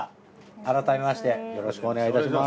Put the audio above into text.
改めましてよろしくお願いいたします。